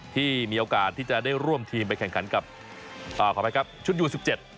ที่มีโอกาสที่จะได้ร่วมทีมไปแข่งขันกับอ่าขออภัยครับชุดยูสิบเจ็ด